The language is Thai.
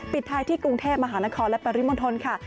ปิดท้ายที่กรุงเทพมหานครและปริมณฑลค่ะ